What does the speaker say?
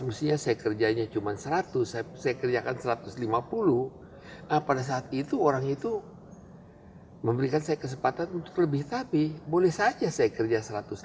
mestinya saya kerjanya cuma seratus saya kerjakan satu ratus lima puluh pada saat itu orang itu memberikan saya kesempatan untuk lebih tapi boleh saja saya kerja satu ratus lima puluh